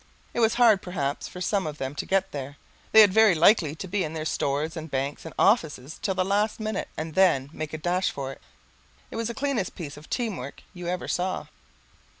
It was hard, perhaps, for some of them to get there. They had very likely to be in their stores and banks and offices till the last minute and then make a dash for it. It was the cleanest piece of team work you ever saw.